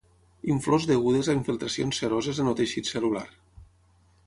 Inflors degudes a infiltracions seroses en el teixit cel·lular.